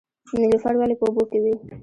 نیلوفر ولې په اوبو کې وي؟